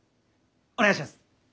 お願いします！